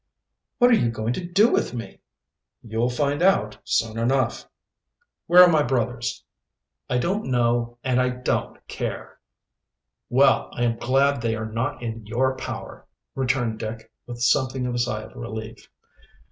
"What are you going to do with me?" "You'll find out soon enough." "Where are my brothers?" "I don't know and I don't care." "Well, I am glad they are not in your power," returned Dick, with something of a sigh of relief.